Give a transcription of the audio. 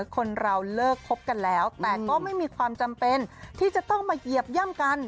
คนเราเลิกคบกันแล้วแต่ก็ไม่มีความจำเป็นที่จะต้องมาเหยียบย่ำกัน